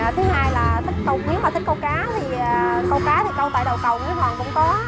thứ hai là nếu mà thích câu cá thì câu cá thì câu tại đầu cầu cũng còn cũng có